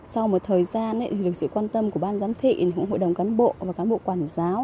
sau một thời gian được sự quan tâm của ban giám thị hội đồng cán bộ và cán bộ quản giáo